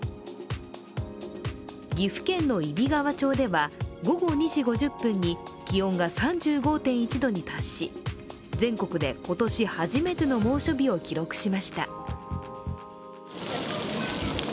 岐阜県の揖斐川町では午後２時５０分に気温が３５．１度に達し全国で今年初めての猛暑日を記録しました。